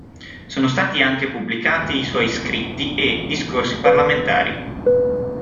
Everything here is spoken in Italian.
Sono stati anche pubblicati i suoi "Scritti" e "Discorsi parlamentari".